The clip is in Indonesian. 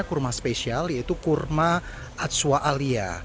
kurma spesial yaitu kurma atsua alia